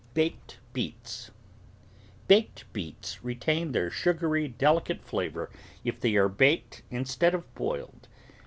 BAKED BEETS Baked beets retain their sugary, delicate flavour if they are baked instead of boiled.